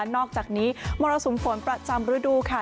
นอกจากนี้มรสุมฝนประจำฤดูค่ะ